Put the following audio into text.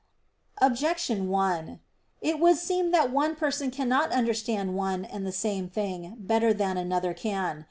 Objection 1: It would seem that one person cannot understand one and the same thing better than another can.